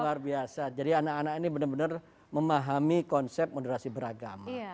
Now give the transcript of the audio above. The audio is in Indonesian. luar biasa jadi anak anak ini benar benar memahami konsep moderasi beragama